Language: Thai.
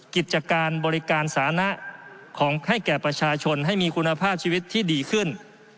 กิจการบริการสานะให้แก่ประชาชนให้มีคุณภาพชีวิตที่ดีขึ้น